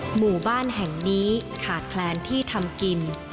หมู่บ้านแห่งนี้ขาดแคลนที่ทำกิน